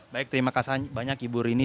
baik terima kasih banyak ibu rini